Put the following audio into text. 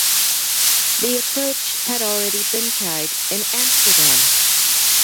The approach had already been tried in Amsterdam.